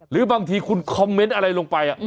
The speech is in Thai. หรือบางทีคุณคอมเมนต์อะไรลงไป